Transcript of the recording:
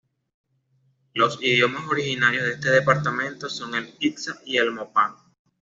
Los idiomas originarios de este departamento son el itzá y el mopán.